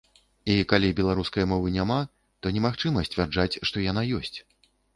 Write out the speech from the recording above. І калі беларускай мовы няма, то немагчыма сцвярджаць, што яна ёсць.